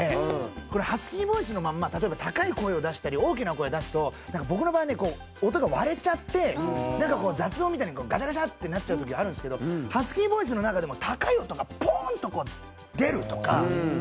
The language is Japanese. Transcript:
これハスキーボイスのまんま例えば高い声を出したり大きな声を出すと僕の場合はね音が割れちゃってなんかこう雑音みたいにガシャガシャってなっちゃう時があるんですけどハスキーボイスの中でも高い音がポーンとこう出るとか。